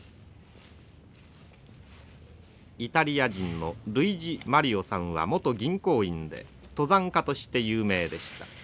イタリア人のルイジ・マリオさんは元銀行員で登山家として有名でした。